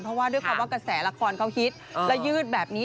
เพราะว่าด้วยความว่ากระแสละครเขาฮิตและยืดแบบนี้